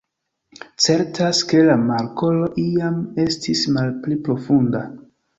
Certas, ke la markolo iam estis malpli profunda.